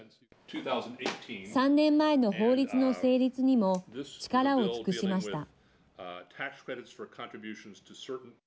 ３年前の法律の成立にも力を尽くしました。